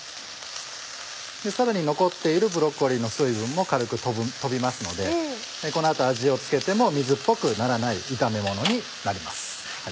さらに残っているブロッコリーの水分も軽く飛びますのでこの後味を付けても水っぽくならない炒めものになります。